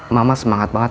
mama semangat banget